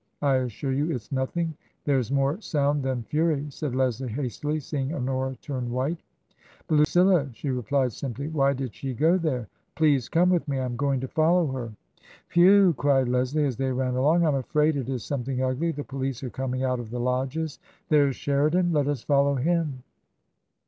I assure you it's nothing ! There's more * sound' than ' fury,' " said Leslie, hastily, seeing Honora turn white. " But Lucilla !" she replied, simply ;" why did she go there ? Please come with me. I am going to follow her." " Whew !" cried Leslie as they ran along. " I'm afraid it is something ugly. The police are coming out of the lodges. There's Sheridan ! Let us follow him."